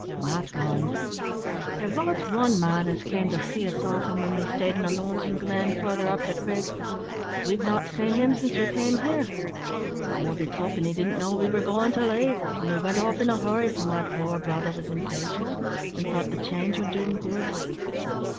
"Not wan. There was wan man as came to see us often when we stayed in a lonesome glen further up the Creek, but we've not seen him since we came here. More be token he didn't know we were goin' to leave, and we wint off in a hurry, for my poor brother was impatient, and thought the change would do him good."